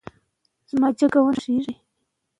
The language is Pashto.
شرکتونه به ډېر روباټونه جوړ کړي.